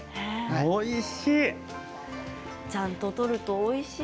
おいしい。